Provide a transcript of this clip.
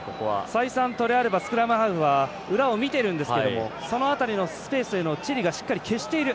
再三、スクラムハーフは裏を見てるんですけどもその辺りのスペースへのチリがしっかり消している。